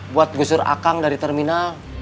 buat gusur akang dari terminal